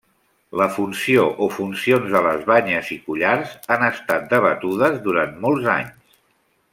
La funció o funcions de les banyes i collars han estat debatudes durant molts anys.